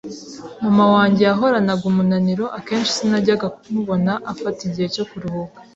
Mama wanjye yahoranaga umunaniro, akenshi sinajyaga mubona afata igihe cyo kuruhuka